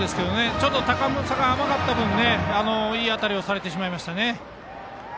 ちょっと高さが甘かった分いい当たりをされてしまいました。